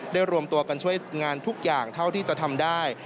รวมตัวกันช่วยงานทุกอย่างเท่าที่จะทำได้